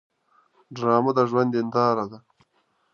ډرامه د ژوند هنداره ده